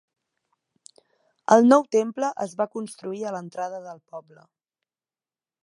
El nou temple es va construir a l'entrada del poble.